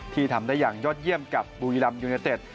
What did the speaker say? ทำได้อย่างยอดเยี่ยมกับบุรีรัมยูเนเต็ด